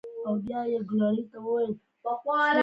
زه وایم بهتره به دا وي چې لومړني دوه کارونه وشي.